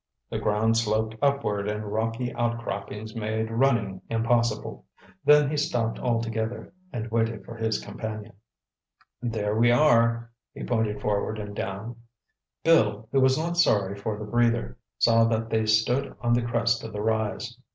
The ground sloped upward and rocky outcroppings made running impossible. Then he stopped altogether and waited for his companion. "There we are!" He pointed forward and down. Bill, who was not sorry for the breather, saw that they stood on the crest of the rise.